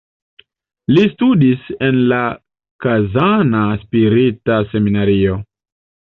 Li studis en la Kazana spirita seminario.